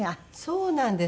そうなんです。